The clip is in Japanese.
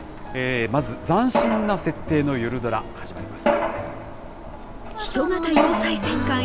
まず、斬新な設定の夜ドラ、始まります。